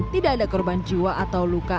tidak ada korban jiwa atau luka